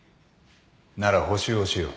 なら補習をしよう。